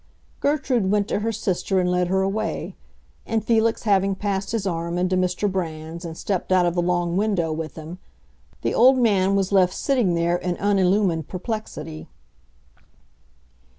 Gertrude went to her sister and led her away, and Felix having passed his arm into Mr. Brand's and stepped out of the long window with him, the old man was left sitting there in unillumined perplexity.